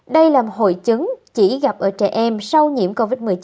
đây là hội chứng chỉ gặp ở trẻ em sau nhiễm covid một mươi chín